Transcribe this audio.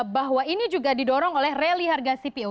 bahwa ini juga didorong oleh rally harga cpo